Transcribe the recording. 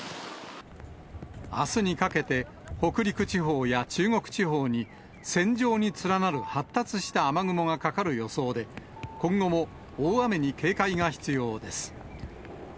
あすにかけて北陸地方や中国地方に、線状に連なる発達した雨雲がかかる予想で、今後も大雨に警戒が必要です。